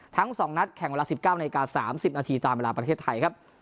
ทั้ง๒นัดแข่งเวลา๑๙นาที๓๐นาทีตามเวลาประเทศไทยครับ